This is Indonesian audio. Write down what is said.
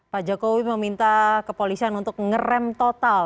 pak jokowi meminta kepolisian untuk ngerem total